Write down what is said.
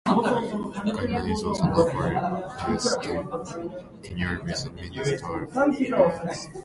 Cunningham is also known for his tenure with the Minnesota Vikings.